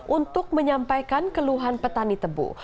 untuk menyampaikan keluhan petani tebu